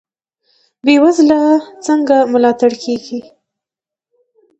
بې وزله څنګه ملاتړ کیږي؟